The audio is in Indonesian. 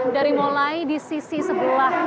dari mulai di sisi sebelah